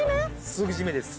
すぐ締めです。